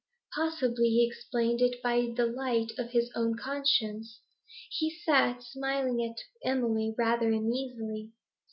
Possibly he explained it by the light of his own conscience. He sat, smiling at Emily rather uneasily.